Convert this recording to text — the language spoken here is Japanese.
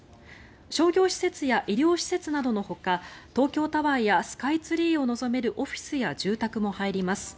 商業施設や医療施設などのほか東京タワーやスカイツリーを望めるオフィスや住宅も入ります。